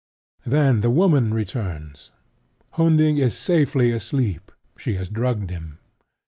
Then the woman returns. Hunding is safely asleep: she has drugged him.